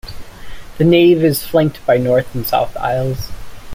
The nave is flanked by north and south aisles.